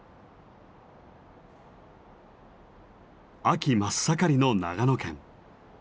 秋真っ盛りの長野県。